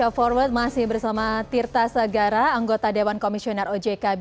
karena mereka produknya tidak secara umum